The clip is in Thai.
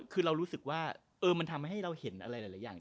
คือเรารู้สึกว่ามันทำให้เราเห็นอะไรหลายอย่าง